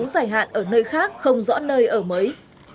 dài hạn ở nơi khác không rõ nơi ở mới